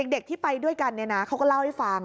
เด็กที่ไปด้วยกันเขาก็เล่าให้ฟัง